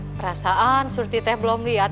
perasaan surti teh belum liat